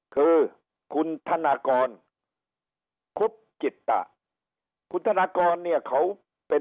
คือคุณธนากรคุบจิตตะคุณธนากรเนี่ยเขาเป็น